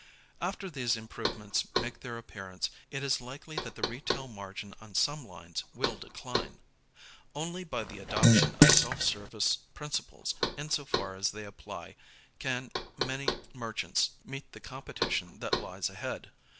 After these improvements make their appearance, it is likely that the retail margin on some lines will decline. Only by the adoption of self service principles insofar as they apply can many merchants meet the competition that lies ahead.